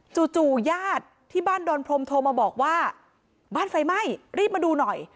จู่ญาติที่บ้านดอนพรมโทรมาบอกว่าบ้านไฟไหม้รีบมาดูหน่อย